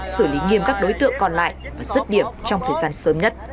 xử lý nghiêm các đối tượng còn lại và rứt điểm trong thời gian sớm nhất